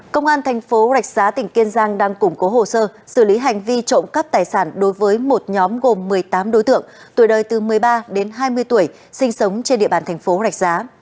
công an thành phố rạch giá tỉnh kiên giang đang củng cố hồ sơ xử lý hành vi trộm cắp tài sản đối với một nhóm gồm một mươi tám đối tượng tuổi đời từ một mươi ba đến hai mươi tuổi sinh sống trên địa bàn thành phố rạch giá